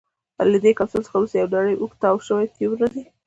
له دې کپسول څخه وروسته یو نیری اوږد تاو شوی ټیوب راځي.